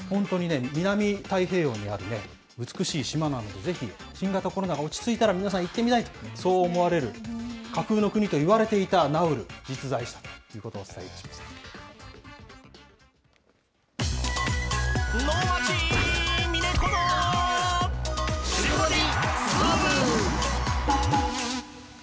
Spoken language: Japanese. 南太平洋にある美しい島なんで、ぜひ新型コロナが落ち着いたら皆さん、行ってみたいと、そう思われる、架空の国といわれていたナウル、実在したということをお伝えいたしました。